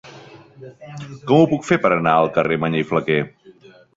Com ho puc fer per anar al carrer de Mañé i Flaquer?